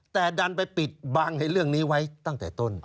แต่ดันไปปิดบังเรื่องนี้ไว้ตั้งแต่ต้น